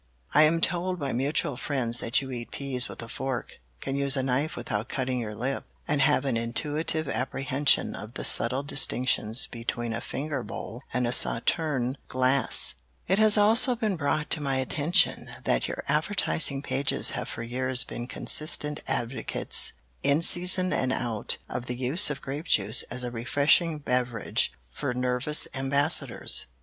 I am told by mutual friends that you eat peas with a fork, can use a knife without cutting your lip, and have an intuitive apprehension of the subtle distinctions between a finger bowl and a sauterne glass. It has also been brought to my attention that your advertising pages have for years been consistent advocates, in season and out, of the use of grape juice as a refreshing beverage for nervous Ambassadors.